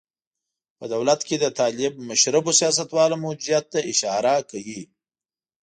په دولت کې د طالب مشربو سیاستوالو موجودیت ته اشاره کوي.